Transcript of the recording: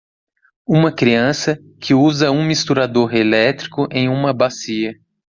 Uma criança que usa um misturador elétrico em uma bacia.